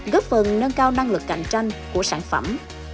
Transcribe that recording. góp phần nâng cao năng lực cạnh tranh của sản phẩm